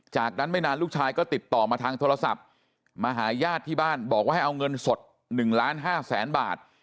จากนั้นไม่นานลูกชายก็ติดต่อมาทางโทรศัพท์มาหาญาติที่บ้านบอกว่าให้เอาเงินสด๑ล้าน๕แสนบาท